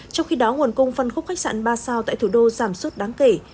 trong khi đó nguồn cung phân khúc khách sạn ba sao tại thủ đô giảm suất đáng kể